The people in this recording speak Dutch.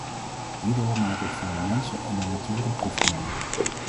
Hierdoor maak ik van de mensen en de natuur een proefkonijn.